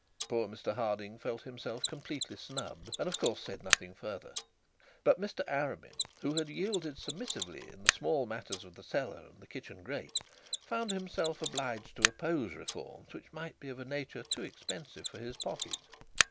Poor Mr Harding felt himself completely snubbed, and of course said nothing further; but Mr Arabin, who had yielded submissively in the small matters of the cellar and kitchen grate, found himself obliged to oppose reforms which might be of a nature too expensive for his pocket.